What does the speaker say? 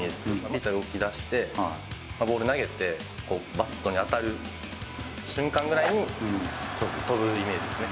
ピッチャーが動きだして、ボール投げて、バットに当たる瞬間ぐらいに、跳ぶイメージですね。